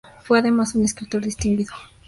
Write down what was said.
Fue además un escritor distinguido.